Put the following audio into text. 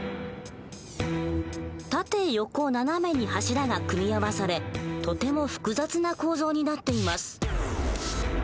縦横斜めに柱が組み合わされとても複雑な構造になっています。